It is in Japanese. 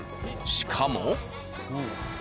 しかも。